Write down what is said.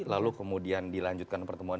lalu kemudian dilanjutkan pertemuan